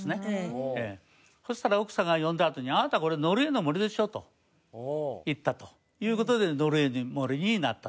そしたら奥さんが読んだあとに「あなたこれ『ノルウェーの森』でしょ」と言ったという事で『ノルウェーの森』になったと。